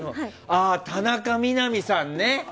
ああ、田中みな実さんね。